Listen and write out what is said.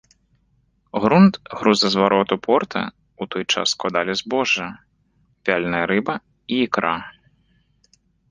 Грунт грузазвароту порта ў той час складалі збожжа, вяленая рыба і ікра.